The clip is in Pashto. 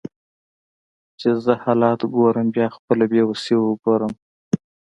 چې زه حالات ګورم بیا خپله بیوسي وګورم